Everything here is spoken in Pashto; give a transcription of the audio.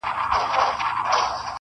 خو د کلي چوپتيا لا هم تر ټولو قوي ده,